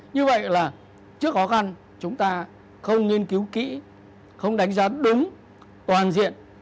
như vậy là trước khó khăn chúng ta không nghiên cứu kỹ không đánh giá đúng toàn diện